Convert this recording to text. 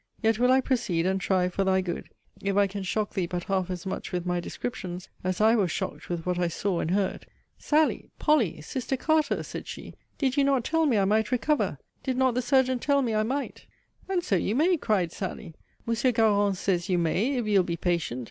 Yet will I proceed, and try, for thy good, if I can shock thee but half as much with my descriptions, as I was shocked with what I saw and heard. Sally! Polly! Sister Carter! said she, did you not tell me I might recover? Did not the surgeon tell me I might? And so you may, cried Sally; Monsieur Garon says you may, if you'll be patient.